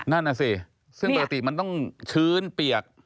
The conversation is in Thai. นั่นน่ะสิซึ่งปกติมันต้องชื้นเปียก